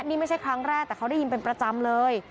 นี่ไม่ใช่ครั้งแรกแต่เขาได้ยินเป็นประจำเลย